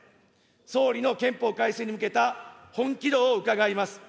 総理の憲法改正に向けた本気度を伺います。